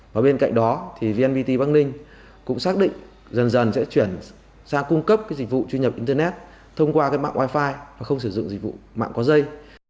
và bên cạnh đó vnpt bắc ninh cũng xác định dần dần sẽ chuyển sang cung cấp dịch vụ truy nhập internet thông qua mạng wi fi và không sử dụng dịch vụ mạng có dây